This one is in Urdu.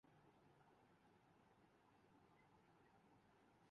ڈوپ ٹیسٹ مثبت انے پر احمد شہزاد کومعطل کردیاگیا